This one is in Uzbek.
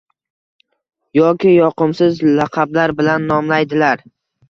yoki yoqimsiz laqablar bilan nomlaydilar.